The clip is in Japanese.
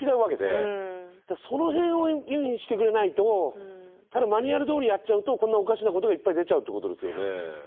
その辺を吟味してくれないとただマニュアルどおりやっちゃうとこんなおかしなことがいっぱい出ちゃうってことですよね。